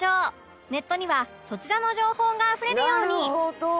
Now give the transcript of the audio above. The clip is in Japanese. ネットにはそちらの情報があふれるように